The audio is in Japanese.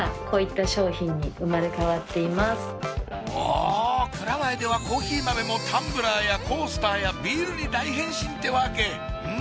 あ蔵前ではコーヒー豆もタンブラーやコースターやビールに大変身ってわけうん！